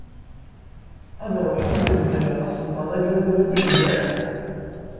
Ad ruḥeɣ ad d-beddleɣ asebbaḍ-agi, ur iyi-d-izga ara.